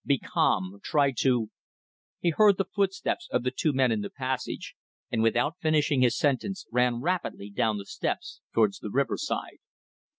Be calm. Try to ..." He heard the footsteps of the two men in the passage, and without finishing his sentence ran rapidly down the steps towards the riverside.